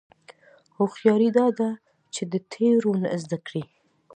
هوښیاري دا ده چې د تېرو نه زده کړې.